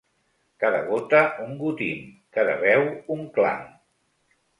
Cada gota un gotim, cada veu, un clam.